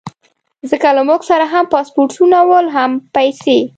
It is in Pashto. ځکه له موږ سره هم پاسپورټونه ول او هم پیسې.